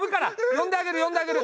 呼んであげる呼んであげる！